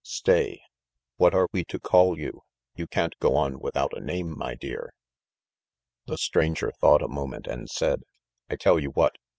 Stay, what are we to call you? You can't go on without a name, my dear." The stranger thought a moment and said: "I tell you what